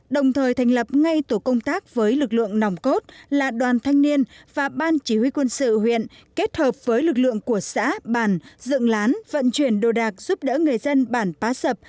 đồng thời thành lập ngay tổ công tác với lực lượng nòng cốt là đoàn thanh niên và ban chỉ huy quân sự huyện kết hợp với lực lượng của xã bản dựng lán vận chuyển đồ đạc giúp đỡ người dân bản pá sập